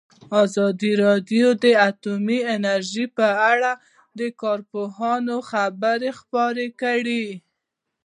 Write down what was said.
ازادي راډیو د اټومي انرژي په اړه د کارپوهانو خبرې خپرې کړي.